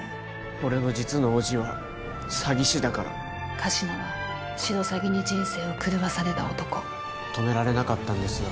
俺の実の叔父は詐欺師だから神志名はシロサギに人生を狂わされた男止められなかったんですよ